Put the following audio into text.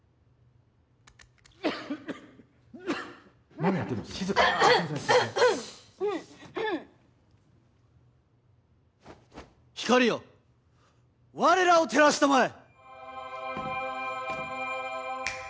・何やってんの静かに・光よわれらを照らしたまえ。